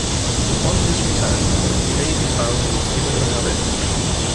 Upon his return, he made his vows and was given the habit.